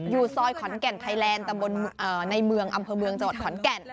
อยู่ซอยขอนแก่นไทยแลนด์ตำบลในเมืองอำเภอเมืองจังหวัดขอนแก่น